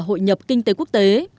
hội nhập kinh tế quốc tế